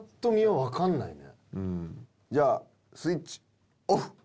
じゃあ、スイッチオフ。